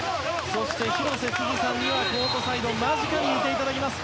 そして広瀬すずさんにはコートサイド間近にいていただきます。